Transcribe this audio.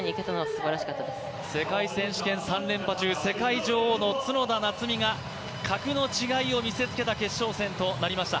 世界選手権３連覇中世界選手権３連覇中、世界女王の角田夏実が格の違いを見せつけた決勝戦となりました。